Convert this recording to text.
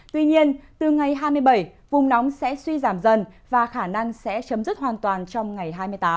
tuy nhiên từ ngày hai mươi bảy vùng nóng sẽ suy giảm dần và khả năng sẽ chấm dứt hoàn toàn trong ngày hai mươi tám